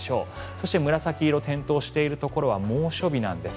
そして紫色が点灯しているところは猛暑日なんです。